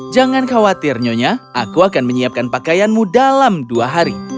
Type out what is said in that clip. jangan khawatir nyonya aku akan menyiapkan pakaianmu dalam dua hari